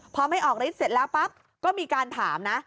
พอไม่ออกฤทธิ์เสร็จแล้วปั๊บก็มีการถามนะ